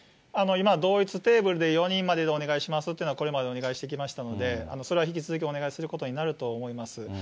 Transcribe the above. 今、同一テーブルで４人まででお願いしますっていうのが、これまでお願いしてきましたので、それは引き続きお願いすることになると思います。